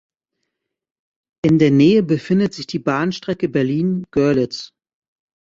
In der Nähe befindet sich die Bahnstrecke Berlin–Görlitz.